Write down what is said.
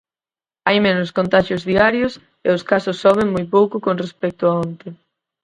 Hai menos contaxios diarios, e os casos soben moi pouco con respecto a onte.